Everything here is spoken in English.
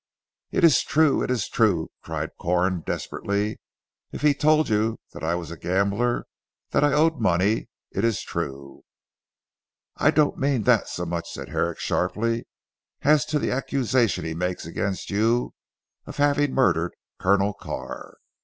"It is true; it is true!" cried Corn desperately. "If he told you that I was a gambler, that I owed money it is true " "I don t mean that so much," said Herrick sharply, "as to the accusation he makes against you of having murdered Colonel Carr."